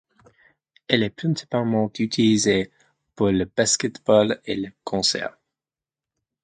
Elle est principalement utilisée pour le basket-ball et les concerts.